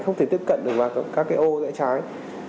không thể tiếp cận vào các ô dạy trái